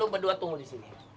berdua tunggu di sini